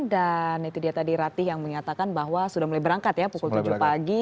dan itu dia tadi rati yang menyatakan bahwa sudah mulai berangkat ya pukul tujuh pagi